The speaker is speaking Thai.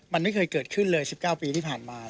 มันไม่เคยเกิดขึ้นเลย๑๙ปีที่ผ่านมา